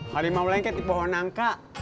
hari mau lengket di pohonangka